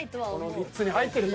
３つに入ってると。